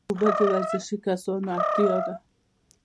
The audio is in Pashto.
اوبه د ورزشي کسانو اړتیا ده